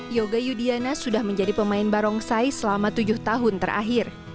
yoga yudiana sudah menjadi pemain barongsai selama tujuh tahun terakhir